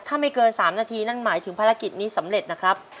ถ้าไม่เกิน๓นาทีนั่นหมายถึงภารกิจนี้สำเร็จนะครับ